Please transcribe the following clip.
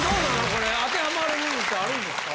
これ当てはまるものってあるんですか？